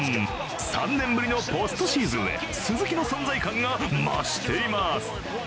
３年ぶりのポストシーズンへ、鈴木の存在感が増しています。